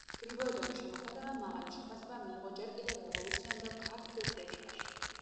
გრიბოედოვის შემოქმედებამ მაღალი შეფასება მიიღო ჯერ კიდევ რევოლუციამდელ ქართულ კრიტიკაში.